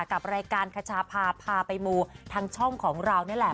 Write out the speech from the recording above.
กับรายการคชาพาพาไปมูทางช่องของเรานี่แหละ